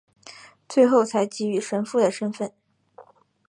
最后才给予神父的身分。